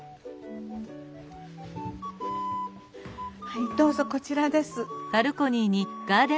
はいどうぞこちらです。